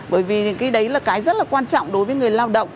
bởi vì cái đấy là cái rất là quan trọng đối với người lao động